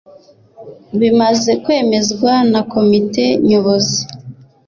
bimaze kwemezwa na Komite Nyobozi.